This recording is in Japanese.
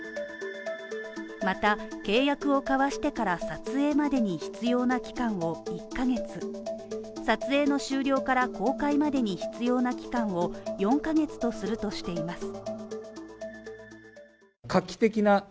また契約を交わしてから撮影までに必要な期間を１ヶ月撮影の終了から公開までに必要な期間を４ヶ月とするとしています。